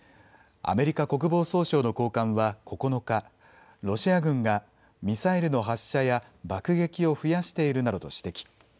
アメリカ国防総省の高官は９日、ロシア軍がミサイルの発射や爆撃を増やしているなどと指摘。